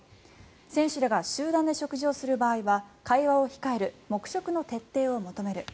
選手らが集団で食事をする場合は会話を控える黙食の徹底を求める。